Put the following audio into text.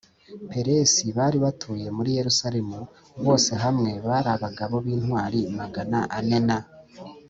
Peresi bari batuye muri yerusalemu bose hamwe bari abagabo b intwari magana ane na